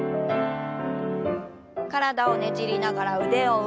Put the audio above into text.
体をねじりながら腕を上。